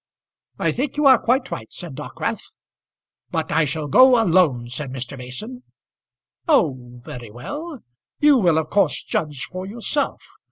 "I think you are quite right," said Dockwrath. "But I shall go alone," said Mr. Mason. "Oh, very well; you will of course judge for yourself.